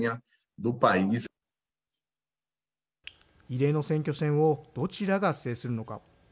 異例の選挙戦をどちらが制するのか。